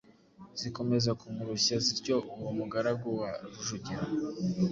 Zikomeza kumurushya zityo, uwo mugaragu wa Rujugira